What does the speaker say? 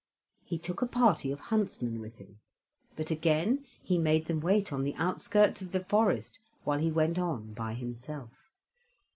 He took a party of huntsmen with him, but again he made them wait on the outskirts of the forest while he went on by himself.